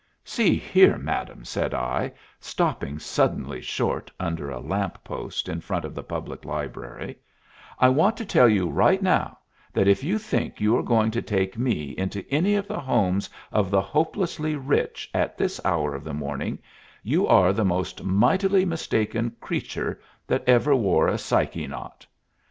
"See here, madam," said I, stopping suddenly short under a lamp post in front of the Public Library, "I want to tell you right now that if you think you are going to take me into any of the homes of the hopelessly rich at this hour of the morning, you are the most mightily mistaken creature that ever wore a psyche knot.